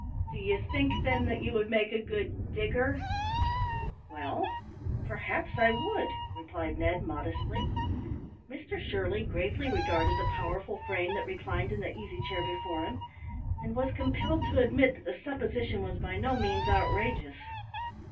"Do you think, then, that you would make a good digger?" "Well, perhaps I would," replied Ned, modestly. Mr Shirley gravely regarded the powerful frame that reclined in the easy chair before him, and was compelled to admit that the supposition was by no means outrageous.